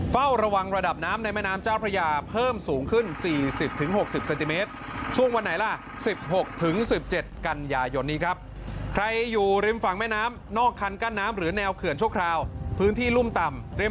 เฝ้าระวังระดับน้ำในแม่น้ำเจ้าพระยาเพิ่มสูงขึ้น๔๐๖๐เซนติเมตรช่วงวันไหนล่ะ๑๖๑๗กันยายนนี้ครับใครอยู่ริมฝั่งแม่น้ำนอกคันกั้นน้ำหรือแนวเขื่อนชั่วคราวพื้นที่รุ่มต่ำริม